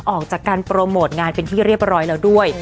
ออกจากการโปรโมทงานเป็นที่เรียบร้อยแล้วด้วย